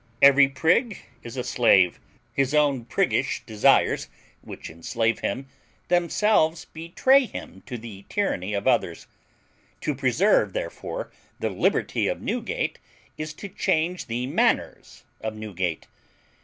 Every prig is a slave. His own priggish desires, which enslave him, themselves betray him to the tyranny of others. To preserve, therefore, the liberty of Newgate is to change the manners of Newgate.